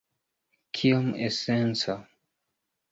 Kiom esenca?